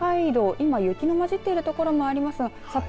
今、雪のまじってている所もありますが札幌